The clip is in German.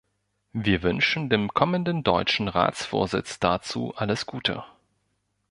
Wir wünschen dem kommenden deutschen Ratsvorsitz dazu alles Gute.